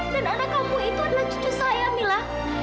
dan anak kamu itu adalah cucu saya camilla